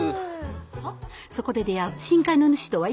そこで出会う深海の主とは一体？